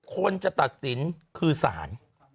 คนจะตัดสินคือศาล